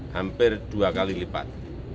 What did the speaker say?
hampir dua kali lipat